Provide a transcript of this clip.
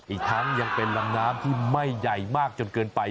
อีกทั้งยังเป็นลำน้ำที่ไม่ใหญ่มากจนเกินไป